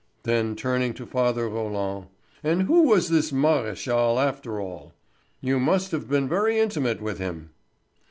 Then turning to Father Roland: "And who was this Maréchal, after all? You must have been very intimate with him."